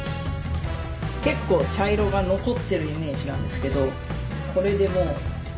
結構茶色が残ってるイメージなんですけどこれでもう。